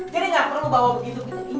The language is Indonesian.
jadi gak perlu bawa begitu gituan